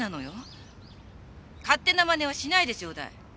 勝手なまねはしないでちょうだい。